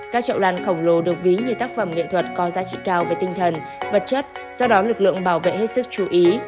các trậu làn khổng lồ được ví như tác phẩm nghệ thuật có giá trị cao về tinh thần vật chất do đó lực lượng bảo vệ hết sức chú ý